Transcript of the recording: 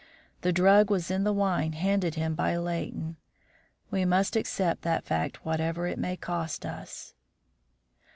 The drug was in the wine handed him by Leighton; we must accept that fact whatever it may cost us."